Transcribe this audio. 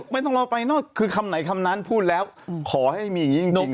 ไม่ต้องรอไฟนอกคือคำไหนคำนั้นพูดแล้วขอให้มีอย่างนี้จริงหนุ่ม